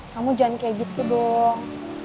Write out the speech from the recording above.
kamu jangan kayak gitu dong